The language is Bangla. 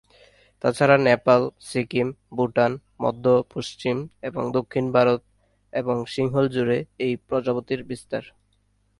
তাছাড়া নেপাল, সিকিম, ভুটান, মধ্য, পশ্চিম এবং দক্ষিণ ভারত এবং সিংহল জুড়ে এই প্রজাপতির বিস্তার।